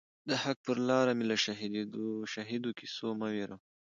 د حق پر لار می له شهیدو کیسو مه وېروه